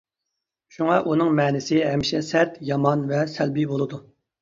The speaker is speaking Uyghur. شۇڭا ئۇنىڭ مەنىسى ھەمىشە سەت، يامان ۋە سەلبىي بولىدۇ.